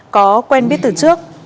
có quen biết từ trước